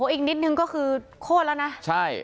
อีกนิดนึงก็คือโคตรแล้วนะใช่